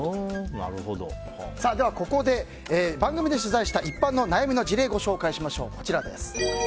ここで、番組で取材した一般の悩みの事例をご紹介しましょう。